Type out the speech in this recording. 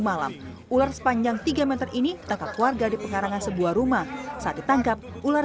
malam ular sepanjang tiga meter ini tangkap warga di pengarangan sebuah rumah saat ditangkap ular